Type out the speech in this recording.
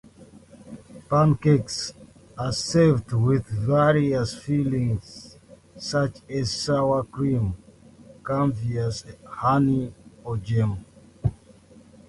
Pancakes are served with various fillings such as sour cream, caviar, honey, or jam.